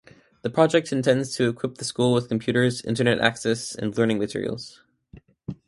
The project intends to equip the school with computers, Internet access and learning materials.